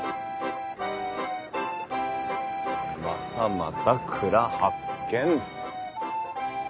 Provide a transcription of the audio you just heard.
またまた蔵発見。